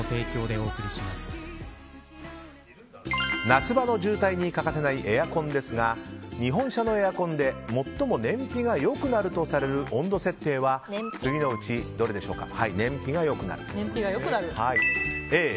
夏場の渋滞に欠かせないエアコンですが日本車のエアコンで最も燃費が良くなるとされる温度設定は次のうちどれでしょうか。